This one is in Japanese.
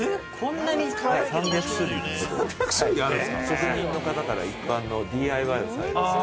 職人の方から一般のＤＩＹをされる方。